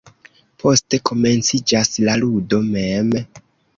Poste komenciĝas la ludo mem.